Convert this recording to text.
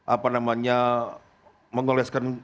apa namanya mengoleskan